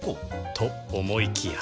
と思いきや